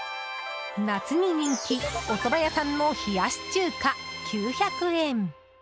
夏に人気おそば屋さんの冷やし中華９００円。